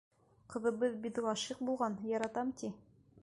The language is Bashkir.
Ҡыҙыбыҙ бит ғашиҡ булған, яратам, ти.